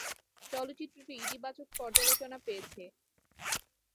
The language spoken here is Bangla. চলচ্চিত্রটি ইতিবাচক পর্যালোচনা পেয়েছে।